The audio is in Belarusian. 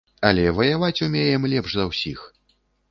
Але ваяваць умеем лепш за ўсіх.